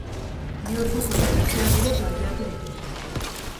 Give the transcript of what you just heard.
Bi orduko lanuzteak ere planteatu dituzte.